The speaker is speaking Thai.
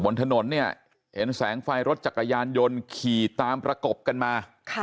บนถนนเนี่ยเห็นแสงไฟรถจักรยานยนต์ขี่ตามประกบกันมา